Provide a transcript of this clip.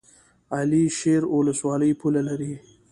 علي شیر ولسوالۍ پوله لري؟